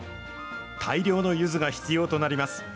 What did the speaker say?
大量のゆずが必要となります。